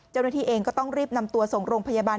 เจ้าหน้าที่เองก็ต้องรีบนำตัวส่งโรงพยาบาล